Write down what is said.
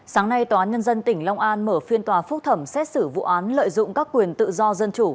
sáng nay tòa án nhân dân tỉnh long an mở phiên tòa phúc thẩm xét xử vụ án lợi dụng các quyền tự do dân chủ